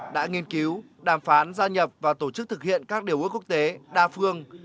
đã nghiên cứu đàm phán gia nhập và tổ chức thực hiện các điều ước quốc tế đa phương